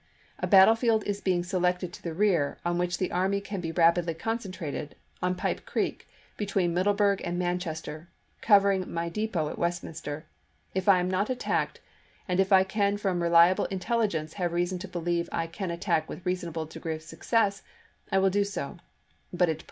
A battlefield is being selected to the rear, on which the army can be rapidly concentrated, on Pipe Creek, between Middleburg and Manchester, covering my depot at Westminster. If I am not attacked, and I can from reliable intelligence have reason to believe I can attack with reasonable degree of success, I will do so ; but at present, hav 1 Hancock says 3:30; Howard says 4 or 4 : 30.